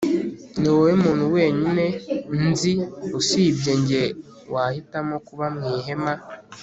niwowe muntu wenyine nzi usibye njye wahitamo kuba mu ihema